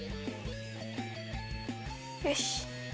よし！